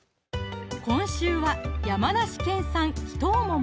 今週は山梨県産「貴糖桃」